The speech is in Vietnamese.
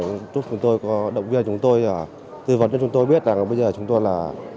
chúng tôi có động viên chúng tôi tư vấn cho chúng tôi biết rằng bây giờ chúng tôi là